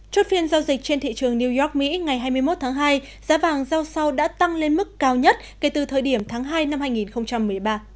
trốt phiên giao dịch trên thị trường new york mỹ ngày hai mươi một tháng hai giá vàng giao sau đã tăng lên mức cao nhất kể từ thời điểm tháng hai năm hai nghìn một mươi ba